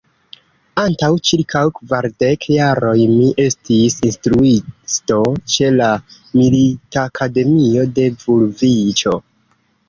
Antaŭ ĉirkaŭ kvardek jaroj mi estis instruisto ĉe la militakademio de Vulviĉo.